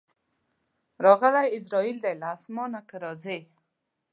راغلی عزراییل دی له اسمانه که راځې